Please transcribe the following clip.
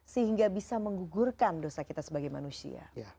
sehingga bisa menggugurkan dosa kita sebagai manusia